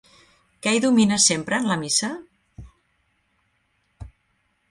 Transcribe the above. Què hi domina sempre en la missa?